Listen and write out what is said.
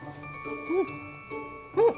うん。